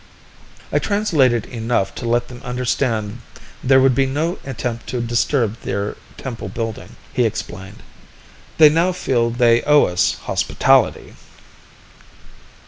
"I translated enough to let them understand there would be no attempt to disturb their temple building," he explained. "They now feel they owe us hospitality."